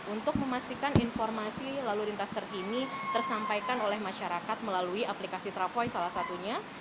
untuk memastikan informasi lalu lintas terkini tersampaikan oleh masyarakat melalui aplikasi travoi salah satunya